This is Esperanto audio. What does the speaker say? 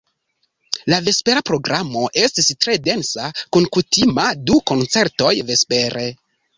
La vespera programo estis tre densa kun kutime du koncertoj vespere.